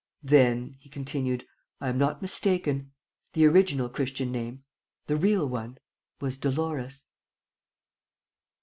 "Then," he continued, "I am not mistaken: the original Christian name, the real one, was Dolores?"